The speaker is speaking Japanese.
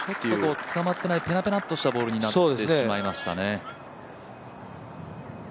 つかまっていない、ペラペラっとしたボールになってしまいましたね。